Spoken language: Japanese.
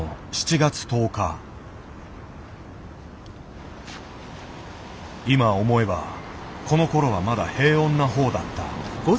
今思えばこのころはまだ平穏な方だった。